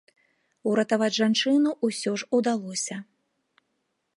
Уратаваць жанчыну ўсё ж удалося.